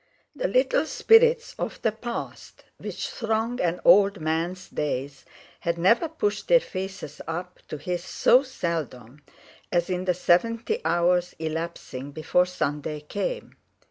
III The little spirits of the past which throng an old man's days had never pushed their faces up to his so seldom as in the seventy hours elapsing before Sunday came.